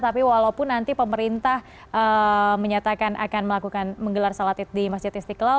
tapi walaupun nanti pemerintah menyatakan akan melakukan menggelar sholat id di masjid istiqlal